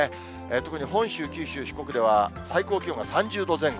特に本州、九州、四国では最高気温が３０度前後。